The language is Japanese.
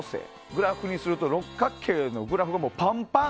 グラフにすると六角形のグラフがパンパン。